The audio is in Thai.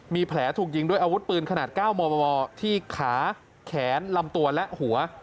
มีแผลถูกยิงด้วยอาวุธปืนขนาด๙มมที่ขาแขนลำตัวและหัว